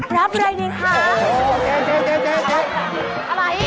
รับเลยนะคะ